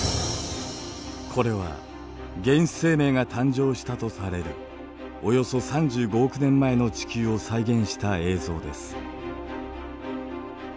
これは原始生命が誕生したとされるおよそ３５億年前の地球を再現した映像です。